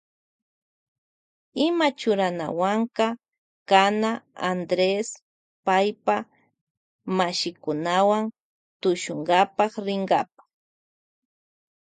Ima churakunawanta kana Andres paypa kumpakunawa tushunkapa rinkapa.